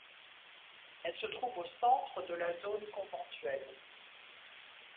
Elle se trouve au centre de la zone conventuelle.